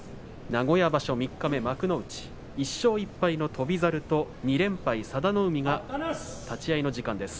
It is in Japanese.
名古屋場所三日目幕内１勝１敗の翔猿と２連敗、佐田の海が立ち合いの時間です。